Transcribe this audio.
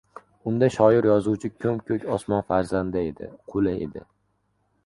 Unda shoir-yozuvchi ko‘m-ko‘k osmon farzandi edi, quli edi.